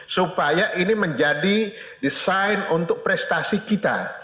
supaya ini menjadi desain untuk prestasi kita